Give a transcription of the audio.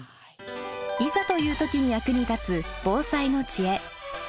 いざという時に役に立つ防災の知恵。